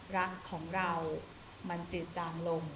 รักของเรามันจืดจางลง